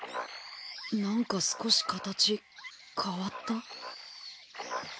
なんか少し形変わった？